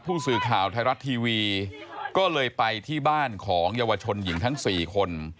ผู้สื่อข่าวไทยรัฐทีวีก็เลยไปที่บ้านของเยาวชนหญิงทั้ง๔คน